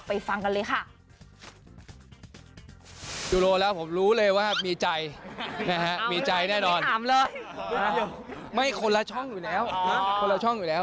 ฟังกันเลยค่ะ